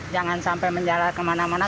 jangan sampai menjalar kemana mana